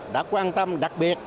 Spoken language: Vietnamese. đã quan tâm đặc biệt